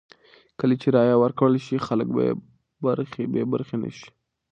کله چې رایه ورکړل شي، خلک به بې برخې نه شي.